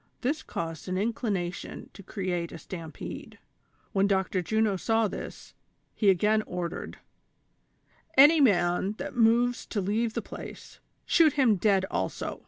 " This caused an inclination to create a stampede. TVhen Dr. Juno saw this, he again ordered : "Any man that moves to leave the place, shoot him dead also